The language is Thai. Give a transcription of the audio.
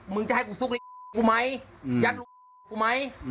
มึงจะให้กูซุกในกูมั้ยยัดกูมั้ย